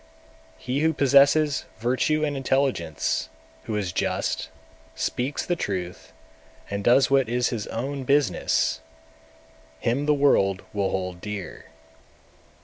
217. He who possesses virtue and intelligence, who is just, speaks the truth, and does what is his own business, him the world will hold dear.